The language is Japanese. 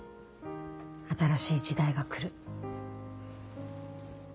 新しい時代が来る。